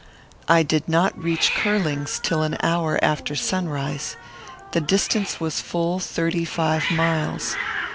I did not reach Curling's till an hour after sunrise. The distance was full thirty five miles.